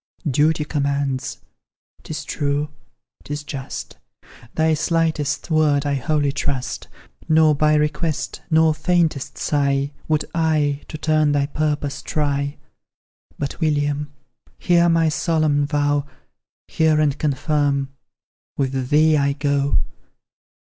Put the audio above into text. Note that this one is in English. "Duty commands!" 'Tis true 'tis just; Thy slightest word I wholly trust, Nor by request, nor faintest sigh, Would I to turn thy purpose try; But, William, hear my solemn vow Hear and confirm! with thee I go.